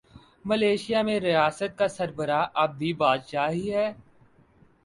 Malaysia میں ریاست کا سربراہ اب بھی بادشاہ ہی ہے۔